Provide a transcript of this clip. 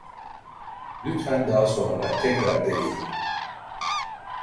Lütfen daha sonra tekrar deneyin.